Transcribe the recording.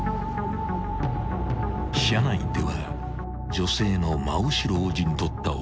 ［車内では女性の真後ろを陣取った男］